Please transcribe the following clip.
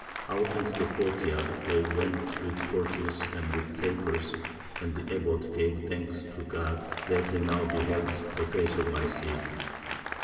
Out into the courtyard they went with torches and with tapers, and the Abbot gave thanks to God that he now beheld the face of my Cid.